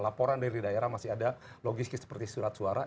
laporan dari daerah masih ada logistik seperti surat suara